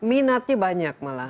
minatnya banyak malah